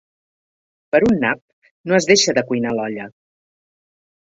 Per un nap no es deixa de cuinar l'olla.